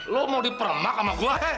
lo mau dipermak sama gue